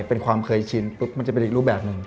เป็นความเคยชินมันจะเป็นอีกรูปแบบหนึ่ง